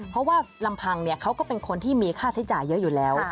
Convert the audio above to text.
เพราะว่าลำพังเขาก็เป็นคนที่มีค่าใช้จ่ายเยอะอยู่แล้ว